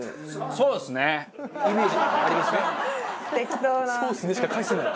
「そうっすね」しか返せない。